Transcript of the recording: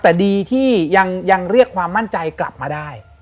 แต่ดีที่ยังเรียกความมั่นใจกลับมาได้